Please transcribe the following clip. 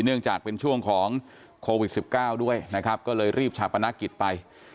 เนื่องจากเป็นช่วงของโควิด๑๙ด้วยนะครับก็เลยรีบชาปนกิจไป